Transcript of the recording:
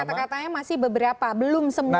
karena tadi kata katanya masih beberapa belum semuanya